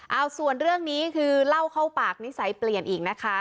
เอาส่วนเรื่องนี้คือเล่าเข้าปากนิสัยเปลี่ยนอีกนะคะ